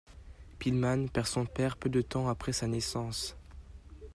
Pillman perd son père peu de temps après sa naissance.